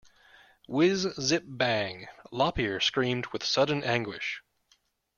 Whiz-zip-bang. Lop-Ear screamed with sudden anguish.